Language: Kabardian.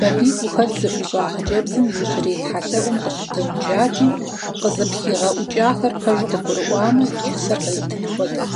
Бабий гухэлъ зыхуищӀа хъыджэбзым иужьрей тхьэлъэӀум къыщыдэуджати, къызыпхигъэӀукӀахэр пэжу къыгурыӀуамэ, и чысэр къритын хуэдэт.